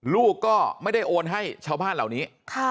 ลูกก็ไม่ได้โอนให้ชาวบ้านเหล่านี้